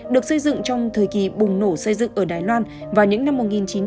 được xây dựng trong thời kỳ bùng nổ xây dựng ở đài loan vào những năm một nghìn chín trăm bảy mươi